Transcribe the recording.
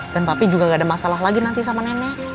dan papi juga gak ada masalah lagi nanti sama nenek